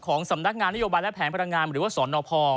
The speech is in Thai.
ของสำนักงานนโยบันและแผงพลังงามหรือว่าสอนอพอ